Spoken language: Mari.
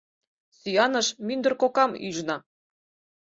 Сӱаныш мӱндыр кокам ӱжна.